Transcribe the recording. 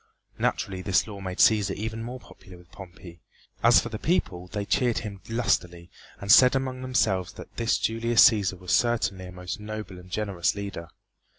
Naturally this law made Cæsar even more popular with Pompey, as for the people they cheered him lustily and said among themselves that this Julius Cæsar was certainly a most noble and generous leader.